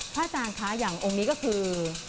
อาจารย์คะอย่างองค์นี้ก็คือ